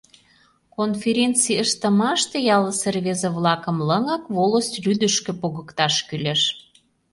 Конференций ыштымаште ялысе рвезе-влакым лыҥак волость рӱдышкӧ погыкташ кӱлеш.